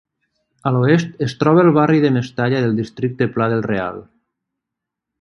A l'oest es troba el barri de Mestalla del districte Pla del Real.